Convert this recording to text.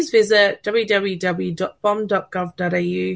jadi silakan melawat www bom gov au